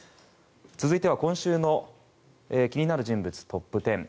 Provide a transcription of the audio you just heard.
続いては今週の気になる人物トップ１０。